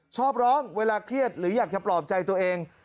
ชอบร้องเวลาเครียดหรืออยากจะปลอบใจตัวเอง